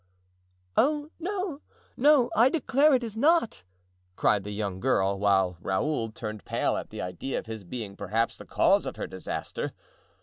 "Oh, no, no, I declare it is not!" cried the young girl, while Raoul turned pale at the idea of his being perhaps the cause of her disaster.